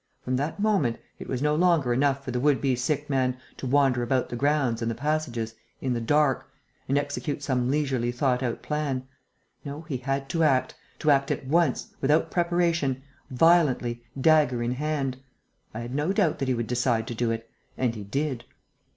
From that moment, it was no longer enough for the would be sick man to wander about the grounds and the passages, in the dark, and execute some leisurely thought out plan. No, he had to act, to act at once, without preparation, violently, dagger in hand. I had no doubt that he would decide to do it. And he did."